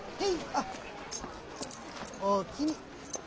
あっおおきに。